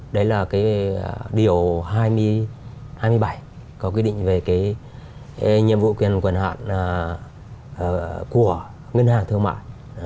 đấy là cái điều hai mươi bảy có quy định về cái nhiệm vụ quyền hạn của ngân hàng thương mại